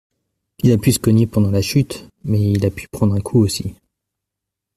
Il a pu se cogner pendant la chute, mais il a pu prendre un coup aussi.